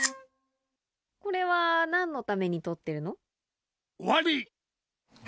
これは何のために撮ってるの？